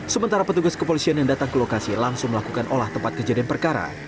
sementara petugas kepolisian yang datang ke lokasi langsung melakukan olah tempat kejadian perkara